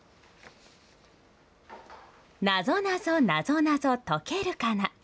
なぞなぞ、なぞなぞ、とけるかな！